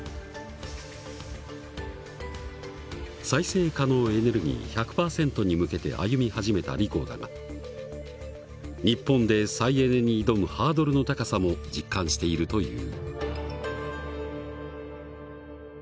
再生可能エネルギー１００％に向けて歩み始めたリコーだが日本で再エネに挑むハードルの高さも実感しているという。